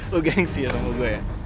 lo gengsi sama gue ya